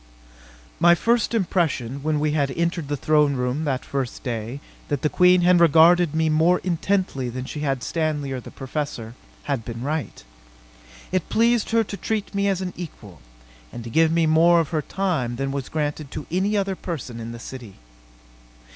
My first impression, when we had entered the throne room that first day, that the Queen had regarded me more intently than she had Stanley or the Professor, had been right. It pleased her to treat me as an equal, and to give me more of her time than was granted to any other person in the city.